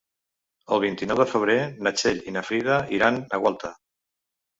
El vint-i-nou de febrer na Txell i na Frida iran a Gualta.